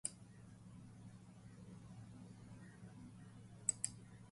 Poor and embarrassed men seek it as a protection against their creditors and enemies.